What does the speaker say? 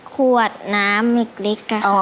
ขวดน้ำเล็กค่ะ